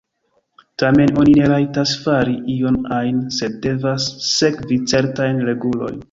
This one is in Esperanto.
Tamen oni ne rajtas fari ion ajn, sed devas sekvi certajn regulojn.